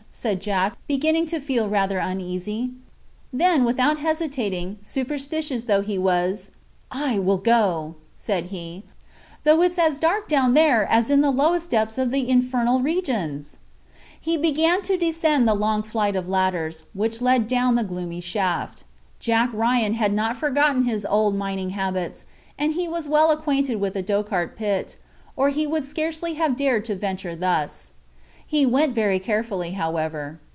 said Jack, beginning to feel rather uneasy. Then, without hesitating, superstitious though he was, "I will go," said he, "though it's as dark down there as in the lowest depths of the infernal regions!" And he began to descend the long flight of ladders, which led down the gloomy shaft. Jack Ryan had not forgotten his old mining habits, and he was well acquainted with the Dochart pit, or he would scarcely have dared to venture thus. He went very carefully, however.